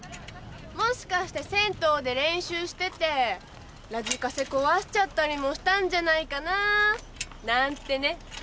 もしかして銭湯で練習しててラジカセ壊しちゃったりもしたんじゃないかなぁなんてね。